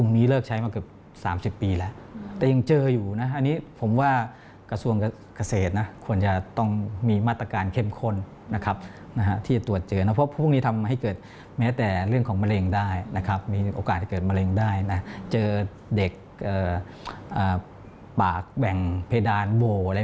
ที่เกิดจากโรคสารพวกนี้นะครับ